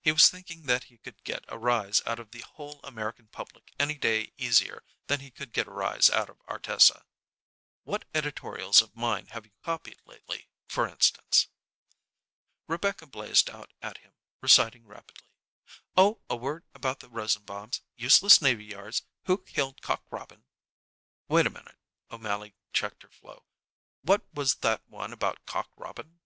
He was thinking that he could get a rise out of the whole American public any day easier than he could get a rise out of Ardessa. "What editorials of mine have you copied lately, for instance?" Rebecca blazed out at him, reciting rapidly: "Oh, 'A Word about the Rosenbaums,' 'Useless Navy Yards,' 'Who Killed Cock Robin' " "Wait a minute." O'Mally checked her flow. "What was that one about Cock Robin?"